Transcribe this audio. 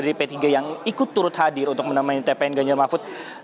dari p tiga yang ikut turut hadir untuk menamai tpn ganjar mahfud